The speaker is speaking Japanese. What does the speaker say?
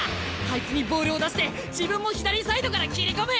あいつにボールを出して自分も左サイドから斬り込む！